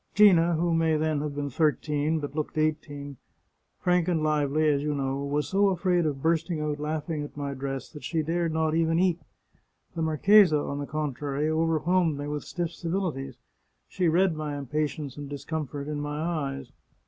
" Gina, who may then have been thirteen, but looked eighteen, frank and lively, as you know, was so afraid of bursting out laughing at my dress that she dared not even eat. The marchesa, on the contrary, overwhelmed me with stiff civilities ; she read my impatience and discomfort in my eyes.